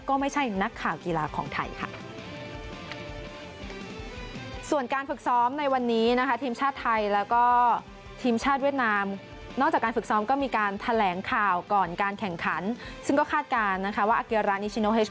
และประตูชาติเวียดนามนอกจากการฝึกซ้อมก็มีการแถลงข่าวก่อนการแข่งขันซึ่งก็คาดการนะคะว่าอักหยารานอิชิโนเหฮฮ